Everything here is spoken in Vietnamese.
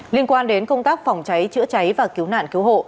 liên quan đến công tác phòng cháy chữa cháy và cứu nạn cứu hộ